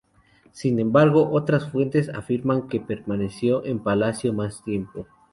Sin embargo, otras fuentes afirman que permaneció en palacio más tiempo.